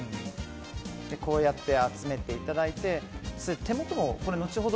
こうやって集めていただいて手元後ほど